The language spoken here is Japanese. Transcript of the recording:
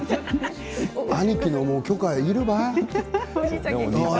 兄貴の許可いるかい？